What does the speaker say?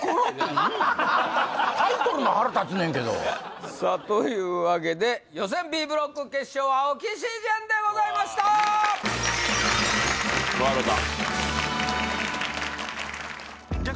何なんタイトルも腹立つねんけどさあというわけで予選Ｂブロック決勝はオキシジェンでございました！笑たＤｏｙｏｕｋｎｏｗラクサ？